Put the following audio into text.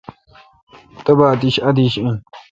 تبا اتیش ادیش این۔